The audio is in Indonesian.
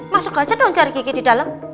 masuk aja dong cari gigi di dalam